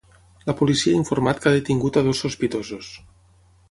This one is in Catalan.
La policia ha informat que ha detingut a dos sospitosos.